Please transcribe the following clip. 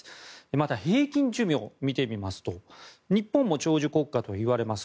また、平均寿命を見てみますと日本も長寿国家といわれます。